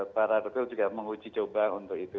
para dokter juga menguji coba untuk itu